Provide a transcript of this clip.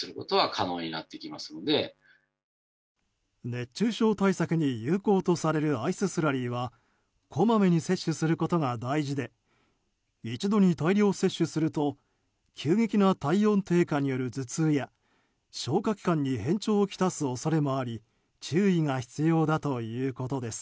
熱中症対策に有効とされるアイススラリーはこまめに摂取することが大事で一度に大量摂取すると急激な体温低下による頭痛や消化器官に変調をきたす恐れもあり注意が必要だということです。